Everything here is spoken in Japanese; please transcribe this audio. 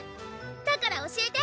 だから教えて！